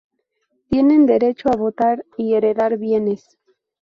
Tienen derecho a votar y heredar bienes.